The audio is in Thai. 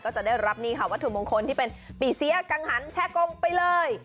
จะได้รับนี่ค่ะวัตถุมงคลที่เป็นปีเสียกังหันแช่กงไปเลย